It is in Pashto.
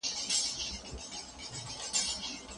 هغه له ډاره اوږده لاره د اتڼ لپاره وهي.